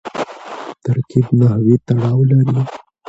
ترکیب نحوي تړاو لري.